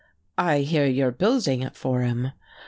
"I hear you're building it for him."